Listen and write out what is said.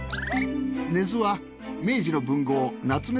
根津は明治の文豪夏目